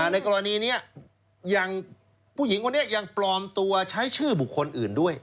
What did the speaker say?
ในกรณีนี้อย่างผู้หญิงคนนี้ยังปลอมตัวใช้ชื่อบุคคลอื่นด้วย